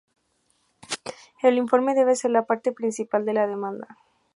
El informe debe ser la parte principal de la demanda.